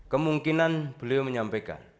kemungkinan beliau menyampaikan